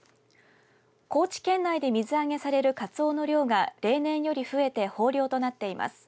高知県内で水揚げされるカツオの量が例年より増えて豊漁となっています。